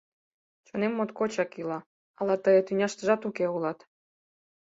Чонем моткочак йӱла, ала тые тӱняштыжат уке улат.